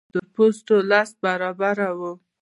د سپین پوستو د کار مزد د تور پوستو لس برابره وو